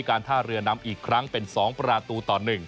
การท่าเรือนำอีกครั้งเป็น๒ประตูต่อ๑